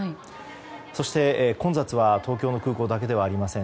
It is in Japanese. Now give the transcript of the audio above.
そして、混雑は東京の空港だけではありません。